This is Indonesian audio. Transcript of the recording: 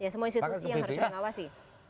semua institusi yang harus mengawasi